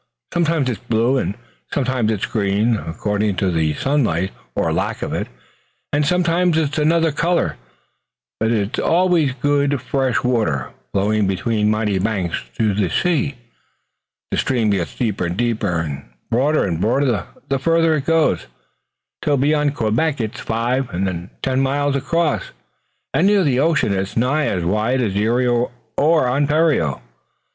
Sometimes it's blue and sometimes it's green, according to the sunlight or the lack of it, and sometimes it's another color, but always it's good, fresh water, flowing between mighty banks to the sea, the stream getting deeper and deeper and broader and broader the farther it goes, till beyond Quebec it's five and then ten miles across, and near the ocean it's nigh as wide as Erie or Ontario.